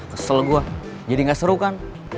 kesel gue jadi gak seru kan